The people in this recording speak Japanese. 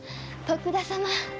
徳田様